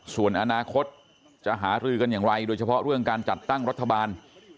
ส่วนอนาคตจะหารือกันอย่างไรโดยเฉพาะเรื่องการจัดตั้งรัฐบาล